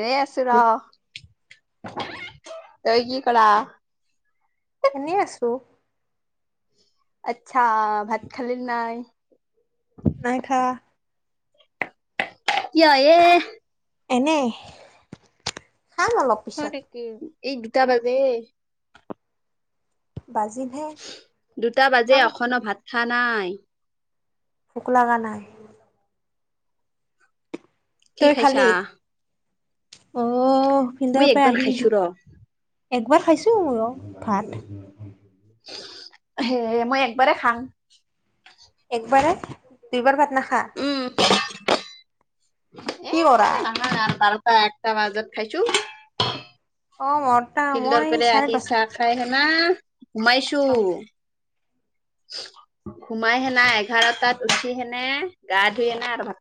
এনে আছৰা তৈ কি কলা এনেই আছো আচ্ছা ভাত খালী নাই নাইখা ক এ খাম এনে খাম অলপ হয় পিছত নেক ইগদাবাদে বাজিমহে দুটা বাজে খাম অখো ভাত খা নাই ফুোক লাগ নাই কি খাইছা আহ মই ফিন্দাৰ পৰাই একবাৰ আহিল খাইছো দে ৰ একবাৰ খাইছোঁ ম ভাল সে মই একবাৰেই খাম একবাৰে দুইবাৰ ভাত নাখা উম এ কি কৰা নহয় বাৰটা একটা বজাত খাইছো অ মৰটা ফিল্ডৰ মই পেৰে চাৰে আহি দহ চাহ খাই হেনাা সোমাইছো অ সোমাই সেনা এঘাৰটাত উঠি সেনে গা ধুই কিনে আৰু ভ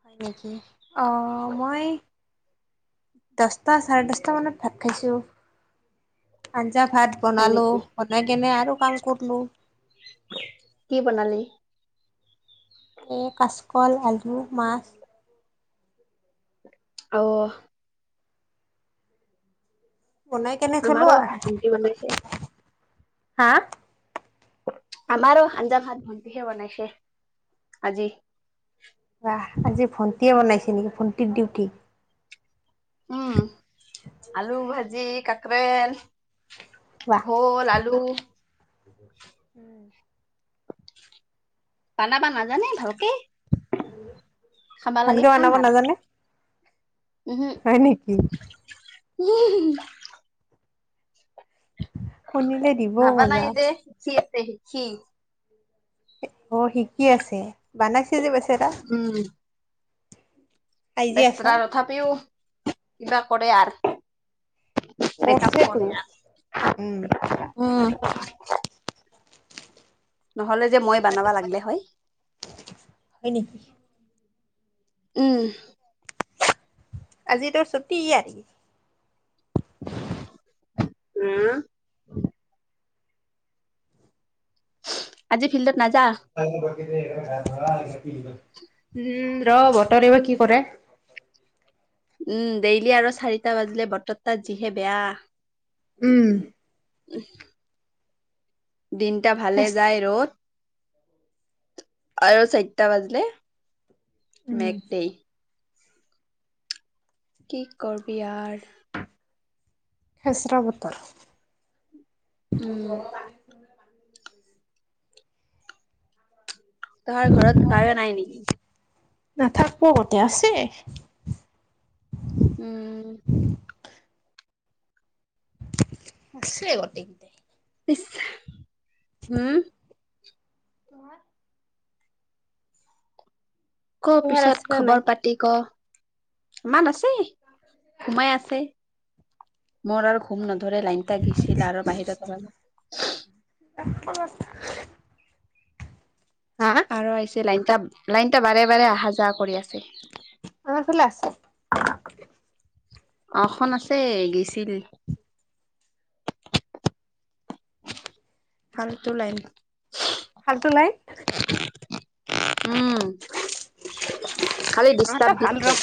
হয় নেকি অ মই দশটা চাৰে দশটা মানত ভাত খাইছো এতিয়া ভাত হয় বনালো নেকি বনাই কেনে আৰু কাম কৰলো। কি বনালি এই কাচকল আলু মাছ। আহ বনাই কেনে থলো আমাৰো আৰু ভন্টি বনাইছে হা আমাৰো আঞ্জা হাত ভণ্টিহে বনাইছে আজি বাহ আজি ভণ্টিয়ে বনাইছে নেকি ভণ্টিত দিউটি উম আলু ভাজি কাকৰেল বাহ ভল আলু উম বানাবা নাজানে ভালকে খাবা লাগে ভালকে খাং বনাব আৰ নাজানে? হয় নেকি উম শুনিলে দিব নবনাই মজা যে শিকি আছে শিকি। অ শিকি আছে বানাইছে যে পিছে এটা। উম আছা বেচৰা তথাপিও কিবা কৰে আৰু। কৰছেতো উম [unintelligible] নহ'লে যে মই বনাবা লাগিল হয় [unintelligible] হয় নেকি? উম। আজি তোৰ চুটি, উ [unintelligible] আজি ফিল্ডত নাযা [unintelligible] বতৰে বা কি কৰে??? উম ডেইলি আৰু চাৰিটা বাজিলে বতৰ তাত যিহে বেয়া উম দিনটা ভালে যায় ৰ'দ। আৰু চাৰিটা বাজিলে। উম মেকনে [unintelligible] কি কৰিবি আৰু,, খেচৰা বতৰ, উম তহাৰ ঘৰত কাৰেণ্ট নাই নেকি? নাথাকিব গতে আছে,, উম আছে গটেইকট উম তোমাৰ [unintelligible] ক তোমাৰ পিছত আছে না নাই খবৰ পাতি ক ইমান আছে? সোমাই আছে। মোৰ আৰু ঘুম নধৰে লাইনটা গিছিল আৰু বাহিৰত অলাল [unintelligible] হা আৰু আহিছে লাইনটা লাইনটা বাৰে বাৰে অহা যোৱা কৰি আছে। আমাৰ ফালে আছে। অ খন আছে গিছিল। ফালটো লাইন ফালটো লাই উম খালি আমাৰতো ডিষ্টাৰ্ব দি ভাল ৰ থাকে।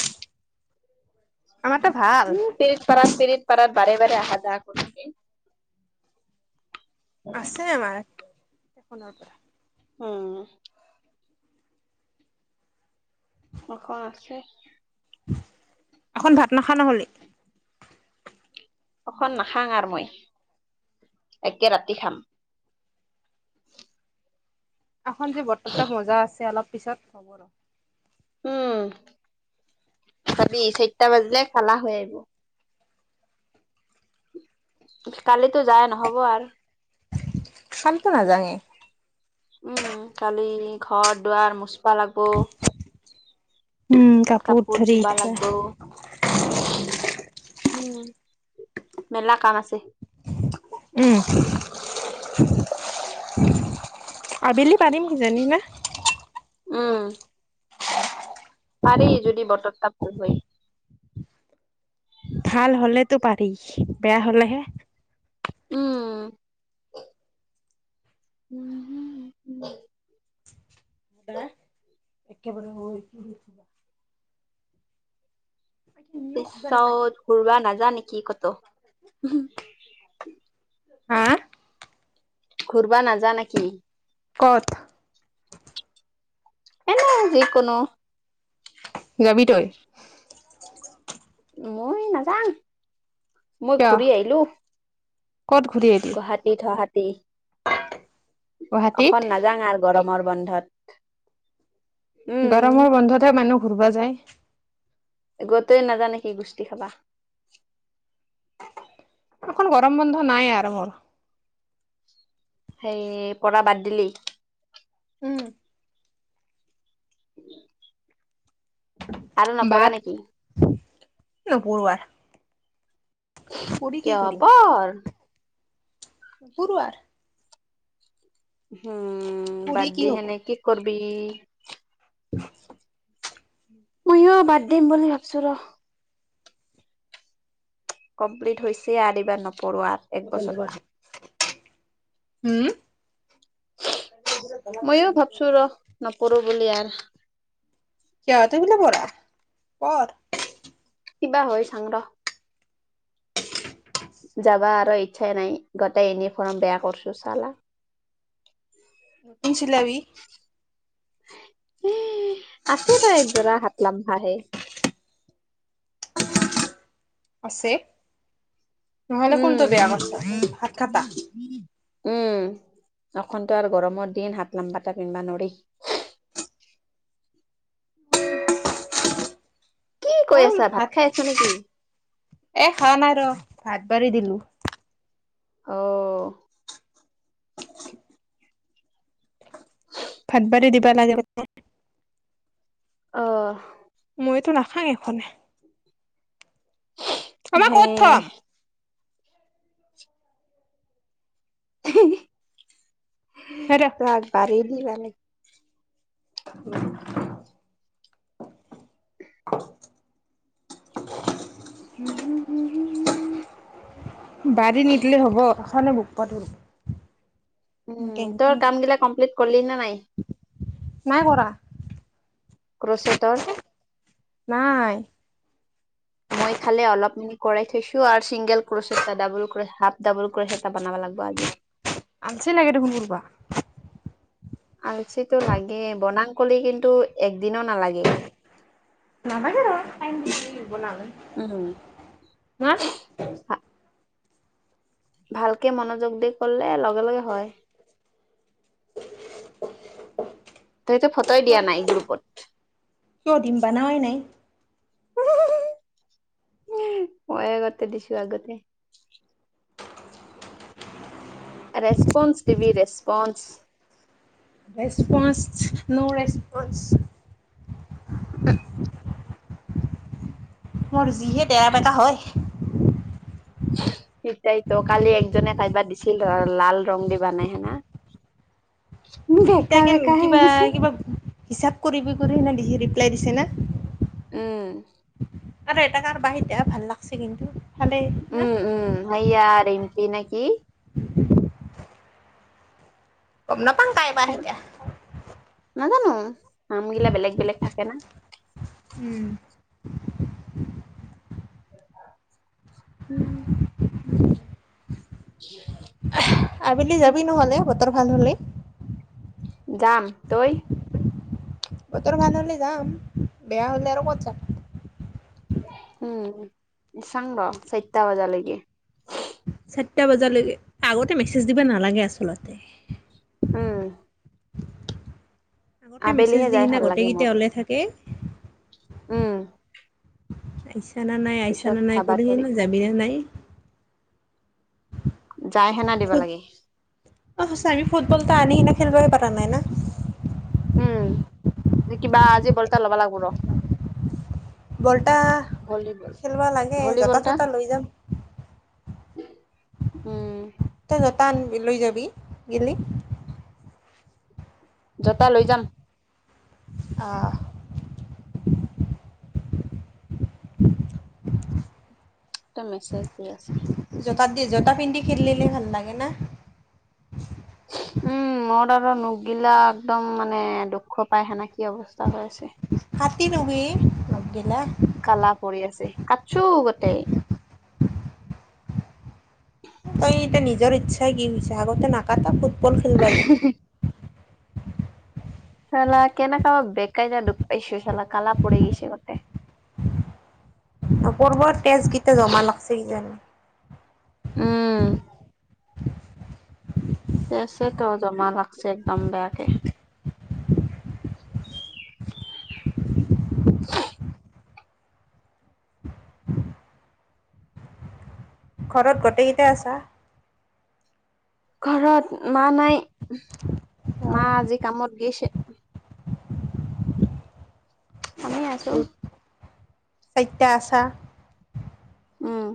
আমাৰতো ভাল উম পৰিত পাৰাত পৰিত পাৰাত বাৰে বাৰে আহা যাহা কৰি থাকে। আছে আমাৰ এখনৰ পৰা। উম অসমখ আছে। এখন ভাত নাখা নহ'লে? অখন নাখাং আৰু মই এতিয়া ৰাতি খাম। এখন যে বতৰ তাত মজা আছে অলপ পিছত হ'ব ৰ উম পাবি চাৰিটা বাজিলে খালা হৈ আহিব কালিতো যায় নহব আৰু? শান্ত ন জাঙে। উম কালি ঘৰ দুৱাৰ মুোচপা লাগ। উম, কাপোৰ ধৰি ধুবা লাগিব উম। মেলা কাম আছে। উম আবেলি পাৰিম সিজানি ন। উম পি যদি বতৰটা ভাল হয় ভাল হলেতো পাৰি বেয়া হলেহে উম উম হ এ একেবাৰে পিছ ঘুৰবা নাযা নেকি কতো হা ঘুৰবা নাজা নে কি কত এনে যিকোনো যাবি তই মই নাজাঙ মই কিয় ঘূৰি আহিলো ক'ত ঘূৰি আহিলি? গুৱাহাটী থাহাটী গুৱাহাটীত? অ নাযাওঁ আৰু গৰমৰ বন্ধত উম গৰমৰ বন্ধতহে মানুহ ঘূৰবা যায় [unintelligible] নাজানে কি গোষ্ঠী খাবা এখন গৰম বন্ধ নাই আৰু মোৰ সেই পৰা বাদ দিলি উম উ আৰু নপঢ়া নেকি নপ ঢ়োৱা কিয় পঢ় [unintelligible] উম পঢ়ি বাদ কি দি হ'ব? সেনে কি কৰবি [unintelligible] মইয়ো বাদ দিম বুলি ভাবিছো ৰ কমপ্লিট হৈছে আৰু এইবাৰ নপঢোৱাৰ এক বছৰ হম ময়ো কল ভাবছো ৰ নপঢ়ো বুলি আৰ কিয় তই এইগিলা পঢ়া পৰ কিবা হয় চাং ৰ যাবা আৰু ইচ্ছাই নাই গোটেই এনিফৰ্ম বেয়া কৰিছো চালা নিচিলাবি আছে ৰ একযোৰা হাত লামভাহে আছে নহলে উম কোনটো বেয়া কথা হাত খাতা উম অন্তো আৰু গৰমৰ দিন হাত লাম্পা এটা পিন্ধবা নোৱাৰি। [inaudible] কি কৈ আছা ভাত হাত খাই আছা নেকি এ খোৱা নাই ৰ হাত বাঢাৰ়ি দিলো অহ ভাতবাৰী দিবা লাগে ম অহ মইতো নাখাং এখনে আমাৰ ক'ত সেই থম হেৰ [inaudible] উ, [unintelligible] উম হুম হম হ হ। এখনৰ বুক পাত উম তোৰ কামগিলা কমপ্লিট কৰিলি নে নাই নাই কৰা। ক্ৰচটৰ নাই। মই খালে অলপ মিনি কৰাই থৈছো আৰু চিংগেল কৰিছ এটা ডাবল কৰি হাফ ডাবল কৰি স এটা বনাবা লাগিব আজি আনচে লাগে দেখোন কৰ পৰা আলচিতটো লাগে বনাং কলি কিন্তু একদিনো নালাগে নভাগে ৰ উম [inaudible] ভা- ভালকে মনোযোগ দি কৰিলে লগে লগে হয় তইতো ফটোই দিয়া নাই গ্ৰুপত কিয় দিম ব নাৱাই নাই উ উ মই আগতে দিছো আগতে response TV response response no response [inaudible] মোৰ যিহে তেৰা বেকা হয় সেইটাইতো কালি একজনে কাইবা দিছিল ধৰ লাল ৰং দিব নাই হোনা। এতিয়া বেকা কেন বেকা কিবা হৈছে কিবা হিচাপ কৰিবি কৰি কৰি ন দি ৰিপ্লাই দিছে না উম আৰু এটা কাৰ বাহিতে ভাল লাগছে কিন্তু ভালেই না উম উম সয়াৰ এম্পি নে কি গম নাপাওঁ তাইব এতিয়া। নাজানো নামগিলা বেলেগ বেলেগ থাকে ন উম। উম আবেলি যাবি নহলে বতৰ ভাল হলেই যাম তই বতৰ খানলৈ যাম বেয়া হলে আৰু ক'ত যাম উম চং ৰ চতটা বজালেকে চাৰিটা বজালৈকে আগতে মেছেজ দিব নালাগে আচলতে। উম আগতে মেছেজ আবেলিহে দি যাই সিনা ভাল লাগে গোটেইকেইট মোৰ ওলে থাকে উম আহিছানা নাই - পিছত আহিছানা নাই খাবা কৰিহি তৰি না খাই যাবিনে নাই। যাই সেনা দিব খুত লাগে অহ সঁচা আমি ফুটবল এটা আনি কেনে খেলুৱৈ পতা নাই না উম কিবা আজি বলটা ল'ব লাগব ৰ বলটা ভলীবল খেলোৱা লাগে যত ভলীবলটা তত লৈ যাম। উম, তই যতা আন লৈ যাবি গিলি জতা লৈ যাম। অহ ', [inaudible] এটা মেছেজ দি আছে। তাত দি জোতা পিন্ধি খেলিলিলে ভাল লাগে না। উম, ম তাৰ নখগিলা একদম মানে দুখ পায় সেনাকি অৱস্থা হৈ আছে কাটি লবি নখ গিলা। তেই তই এতিয়া নিজৰ ইচ্ছাই কি হৈছে আগতে নাকাটা ফুটবল খেলিবা যায় চালা কেনেকব বোই ন দুপ পাইছো চাল কালাপুৰেগিছে গতে। [inaudible] ক'ৰবাত তেজ কেইটা জমা লাগছে কিজানি উম দেছে তেও জমা লাগছে একদম বেয়াকে। ঘৰত গোটেইকেইটাই আছা। ঘৰত মা নাই মা অহ আজি কামত গৈছে আমি আছো চাইটা আছা উম,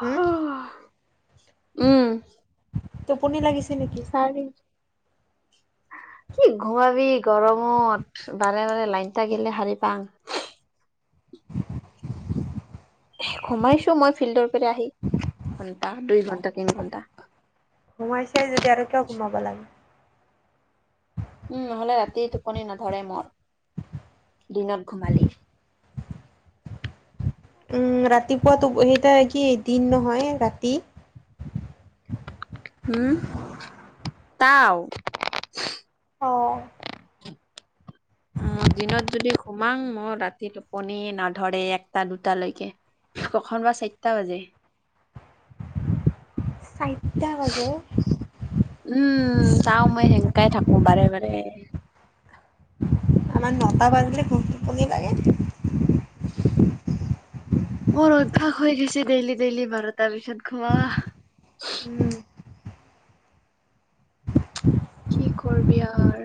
হুম উম পনি লাগিছে নেকি। চাৰি [inaudible] কি ঘোমাবি গৰমত বাৰে বাৰে লাইটা গেলে শাৰী পাং [inaudible] সোমাইছো মই ফিল্ডৰ পৰা আহি ঘন্টা দুই ঘন্টা তিনি ঘণ্টা। সোমাই চাই যদি আৰু কিয় সোমাব লাগে। উম নহলে ৰাতি টোপনি নধৰে মৰ দিনত ঘুমালি। উম, ৰাতিপুৱাতো সেইটো কি দিন নহয় ৰাতি। উম তাও অ অ দিনত যদি উমাং মই ৰাতি টোপনি নাধৰে একটা দুটালৈকে। কখন বা চাৰিটা বাজে। চাই উম, চাও মই সেনেকাই থাকো বাৰে - বাৰে। আমাৰ নটা বান্ধে কন লাগে মোৰ অভ্যাস হৈ গৈছে ডেইলি ডেইলি ভাৰতৰ পিছত খোমা উম কি কৰবি আৰ।